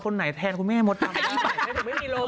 คนไหนแทนคุณแม่มดดาไม่ได้